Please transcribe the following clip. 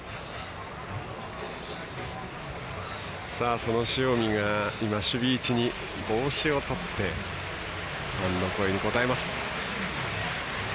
その塩見が今、守備位置に帽子を取ってファンの声に応えます。